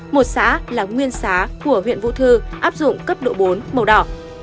một xã là nguyên xá của huyện vũ thư áp dụng cấp độ bốn màu đỏ